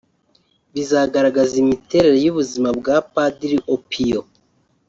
bizagaragaza imiterere y’ubuzima bwa Padiri Opio